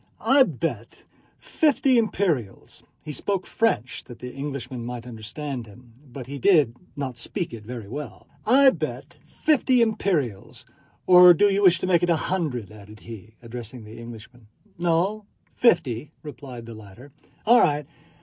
"I bet fifty imperials"—he spoke French that the Englishman might understand him, but he did not speak it very well—"I bet fifty imperials ... or do you wish to make it a hundred?" added he, addressing the Englishman. "No, fifty," replied the latter. "All right.